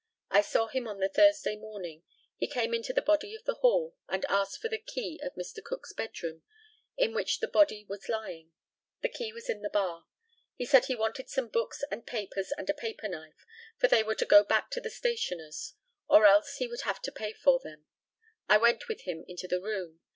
I saw him on the Thursday following. He came into the body of the hall, and asked for the key of Mr. Cook's bedroom, in which the body was lying. The key was in the bar. He said he wanted some books and papers and a paperknife, for they were to go back to the stationer's, or else he would have to pay for them. I went with him into the room.